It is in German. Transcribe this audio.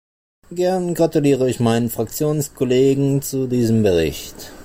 Gern gratuliere ich meinem Fraktionskollegen zu diesem Bericht.